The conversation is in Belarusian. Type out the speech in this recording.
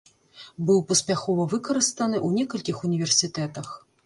Быў паспяхова выкарыстаны ў некалькіх універсітэтах.